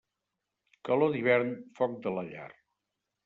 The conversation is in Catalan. Calor d'hivern, foc de la llar.